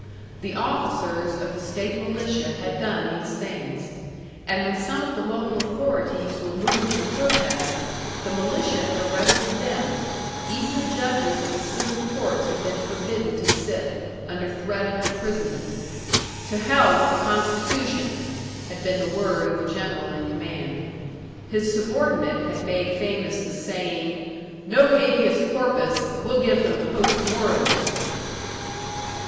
The officers of the state militia had done these things; and when some of the local authorities were moved to protest, the militia had arrested them even the judges of the civil courts had been forbidden to sit, under threat of imprisonment. "To hell with the constitution!" had been the word of the general in command; his subordinate had made famous the saying, "No habeas corpus; we'll give them post mortems!"